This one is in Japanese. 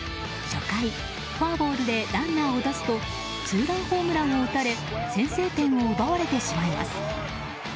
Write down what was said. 初回フォアボールでランナーを出すとツーランホームランを打たれ先制点を奪われてしまいます。